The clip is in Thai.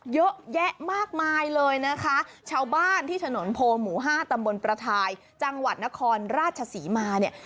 เยอะแยะมากมายเลยนะคะชาวบ้านที่ถนนโพหมู่ห้าตำบลประทายจังหวัดนครราชศรีมาเนี่ย